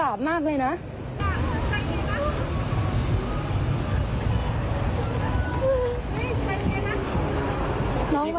สวัสดีครับ